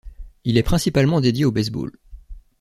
Il est principalement dédié au baseball.